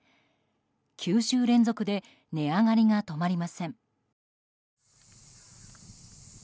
９週連続で値上がりが止まりません。